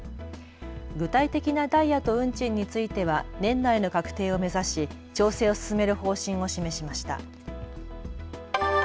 具体的なダイヤと運賃については年内の確定を目指し調整を進める方針を示しました。